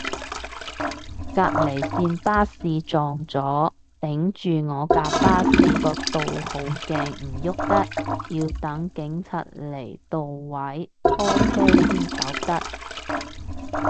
隔離線巴士撞咗，頂住我架巴士個倒後鏡唔郁得，要等警察嚟度位拖車先走得